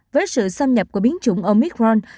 với sự xâm nhập của biến chủng omicron